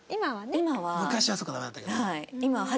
昔はそっかダメだったけど。